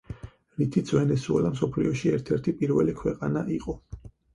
რითიც ვენესუელა მსოფლიოში ერთ-ერთი პირველი ქვეყანა იყო.